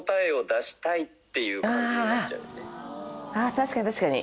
確かに確かに。